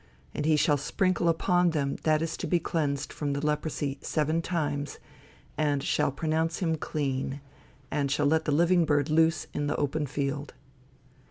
And he shall sprinkle upon him that is to be cleansed from the leprosy, seven times, and shall pronounce him clean, and shall let the living bird loose into the open field."